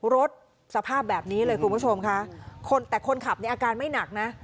สภาพแบบนี้เลยคุณผู้ชมค่ะคนแต่คนขับเนี่ยอาการไม่หนักนะ